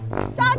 chờ cháu ngay